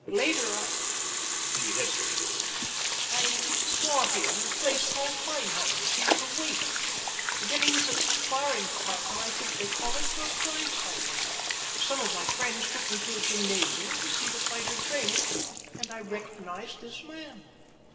Later I" she hesitated "I saw him in a place called Feinheimer's. He was a waiter. Then he was a sparring partner, I think they call it, for a prizefighter. Some of my friends took me to a gymnasium to see the fighter training, and I recognized this man.